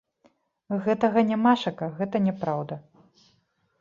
Гэтага нямашака, гэта няпраўда.